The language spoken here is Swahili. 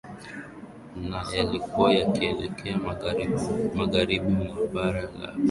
na yalikuwa yakielekea magharibi mwa bara la asia